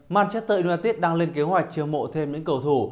manchester united đang lên kế hoạch trường mộ thêm những cầu thủ